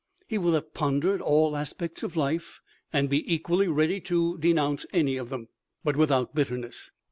He will have pondered all aspects of life and be equally ready to denounce any of them, but without bitterness.